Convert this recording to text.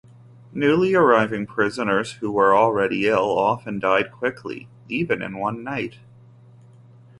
Newly arriving prisoners who were already ill often died quickly, even in one night.